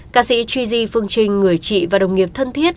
ca sĩ chuj di phương trinh người chị và đồng nghiệp thân thiết